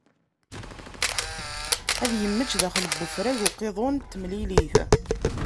Ad immečč daxel n ufrag n uqiḍun n temlilit.